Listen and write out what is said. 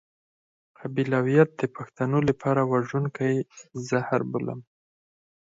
قبيلويت د پښتنو لپاره وژونکی زهر بولم.